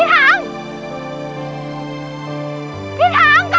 พี่ถังกลับมาก่อน